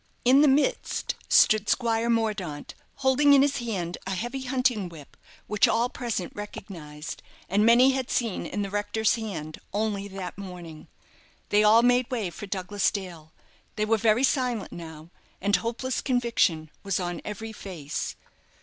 In the midst stood Squire Mordaunt, holding in his hand a heavy hunting whip, which all present recognized, and many had seen in the rector's hand only that morning. They all made way for Douglas Dale; they were very silent now, and hopeless conviction was on every face.